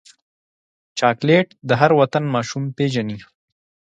چاکلېټ د هر وطن ماشوم پیژني.